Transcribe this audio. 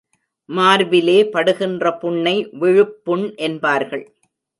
மார்பிலே படுகின்ற புண்ணை விழுப்புண் என்பார்கள்.